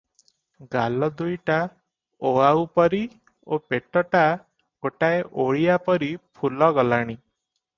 ଗାଲ ଦୁଇଟା ଓଆଉପରି ଓ ପେଟଟା ଗୋଟାଏ ଓଳିଆପରି ଫୁଲଗଲାଣି ।